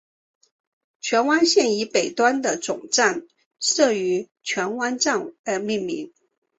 荃湾线以北端的总站设于荃湾站而命名。